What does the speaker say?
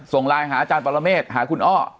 ส่งไลน์หาอาจารย์ปรเมฆหาคุณอ้อ